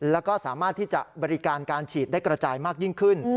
แล้วก็สามารถที่จะบริการการฉีดได้กระจายมากยิ่งขึ้น